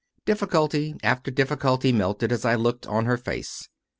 Difficulty after difficulty melted as I looked on her face.